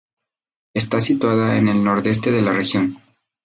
Está situada en el nordeste de la región.